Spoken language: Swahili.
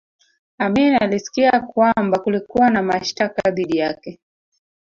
amin alisikia kwamba kulikuwa na mashtaka dhidi yake